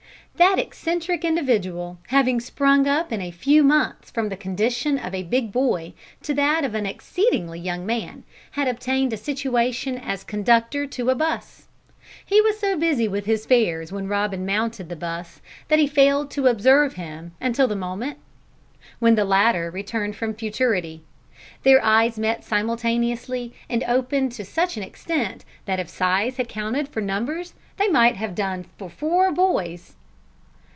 That eccentric individual, having sprung up in a few months from the condition of a big boy to that of an exceedingly young man, had obtained a situation as conductor to a 'bus. He was so busy with his fares when Robin mounted the 'bus that he failed to observe him until the moment when the latter returned from futurity. Their eyes met simultaneously, and opened to such an extent that if size had counted for numbers they might have done for four boys.